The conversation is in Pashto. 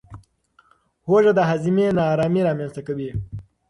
هوږه د هاضمې نارامي رامنځته کوي.